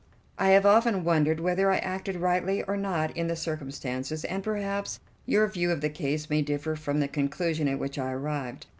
I have often wondered whether I acted rightly or not in the circumstances, and perhaps your view of the case may differ from the conclusion at which I arrived.